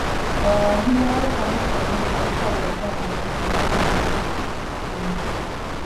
მდინარე ფრონის მარჯვენა მხარეს, გორაზე, გვიანდელი ბრინჯაოს, ადრინდელი რკინის ხანის არქეოლოგიური ნაშთებია.